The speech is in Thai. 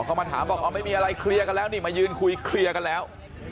อ๋อเขามาถามยังไม่มีอะไรมาคุยอย่างเคลียร์กันแล้ว